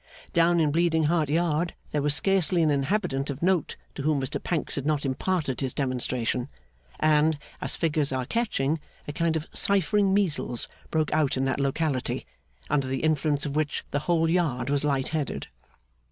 Down in Bleeding Heart Yard there was scarcely an inhabitant of note to whom Mr Pancks had not imparted his demonstration, and, as figures are catching, a kind of cyphering measles broke out in that locality, under the influence of which the whole Yard was light headed.